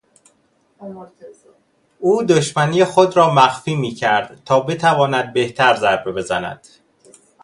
او دشمنی خود را مخفی میکرد تا بتواند بهتر ضربه بزند.